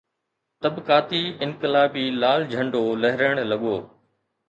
طبقاتي انقلابي لال جھنڊو لھرڻ لڳو